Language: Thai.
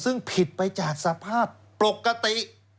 ซึ่งผิดไปจากสภาพปกติ